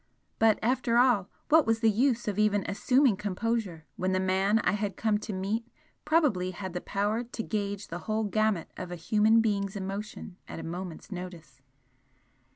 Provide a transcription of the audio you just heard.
But, after all, what was the use of even assuming composure when the man I had come to meet probably had the power to gauge the whole gamut of a human being's emotion at a moment's notice?